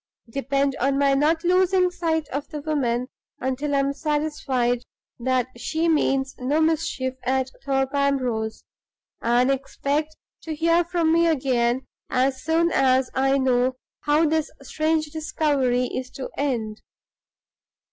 Depend on my not losing sight of the woman until I am satisfied that she means no mischief at Thorpe Ambrose; and expect to hear from me again as soon as I know how this strange discovery is to end.